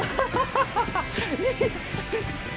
ハハハハ！